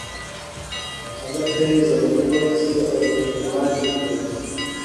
ملک ته یې ځلوبۍ واخیستې او ور یې وړاندې کړې.